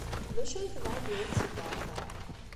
D acu ay tebɣa ad d-tini tṣeddart-a?